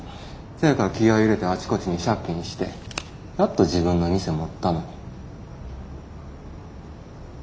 そやから気合い入れてあちこちに借金してやっと自分の店持ったのに。